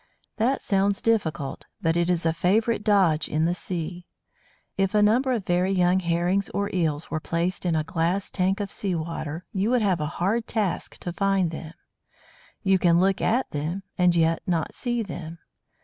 That sounds difficult, but it is a favourite dodge in the sea. If a number of very young Herrings or Eels were placed in a glass tank of sea water, you would have a hard task to find them. You can look at them, and yet not see them.